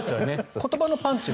言葉のパンチは。